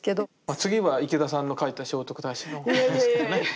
次は池田さんの描いた聖徳太子のお札でね。